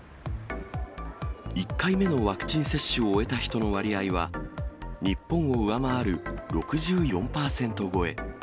１回目のワクチン接種を終えた人の割合は、日本を上回る６４％超え。